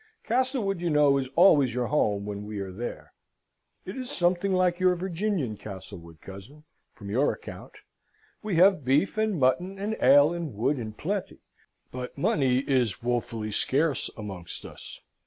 Castlewood, you know, is always your home when we are there. It is something like your Virginian Castlewood, cousin, from your account. We have beef, and mutton, and ale, and wood, in plenty; but money is woefully scarce amongst us."